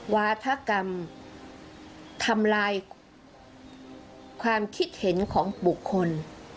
วาธกรรมทำลายความคิดเห็นของบุคคล